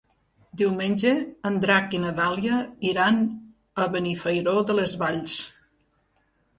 Diumenge en Drac i na Dàlia iran a Benifairó de les Valls.